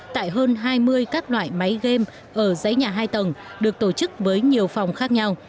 tại hơn hai mươi các loại máy game ở dãy nhà hai tầng được tổ chức với nhiều phòng khác nhau